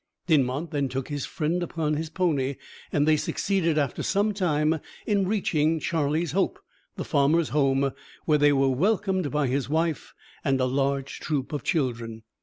Dinmont then took his friend upon his pony, and they succeeded after some time in reaching Charlie's Hope, the farmer's home, where they were welcomed by his wife and a large troop of children.